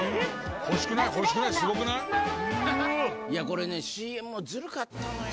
これねＣＭもずるかったのよ。